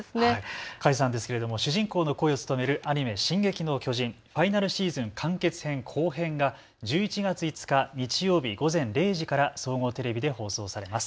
梶さんですけど主人公の声を務めるアニメ、進撃の巨人ファイナルシーズン完結編後編が１１月５日日曜日午前０時から総合テレビで放送されます。